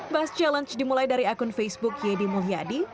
bus challenge dimulai dari akun facebook yedi mulyadi